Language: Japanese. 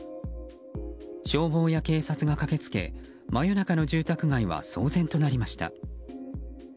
消防や警察が駆け付け真夜中の住宅街は騒然となりました。